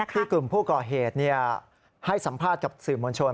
กลุ่มผู้ก่อเหตุให้สัมภาษณ์กับสื่อมวลชน